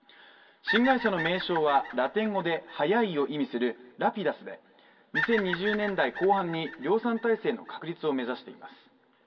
新会社の名称は、ラテン語で「速い」を意味するＲａｐｉｄｕｓで２０２０年代後半に量産体制の確立を目指しています。